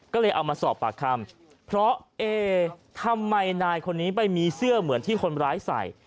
ก็เลยเอามาสอบปากคำเพราะเอ๊ทำไมนายคนนี้ไปมีเสื้อเหมือนที่คนร้ายใส่